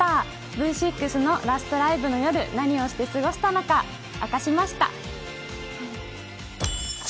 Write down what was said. Ｖ６のラストライブの夜、何をして過ごしたのか、明かしました。